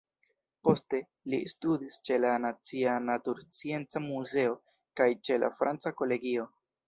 Poste, li studis ĉe la Nacia Naturscienca Muzeo kaj ĉe la Franca Kolegio.